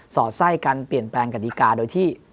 อดไส้การเปลี่ยนแปลงกฎิกาโดยที่